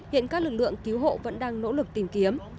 hiện các lực lượng cứu hộ vẫn đang nỗ lực tìm kiếm